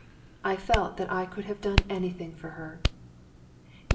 I felt that I could have done anything for her.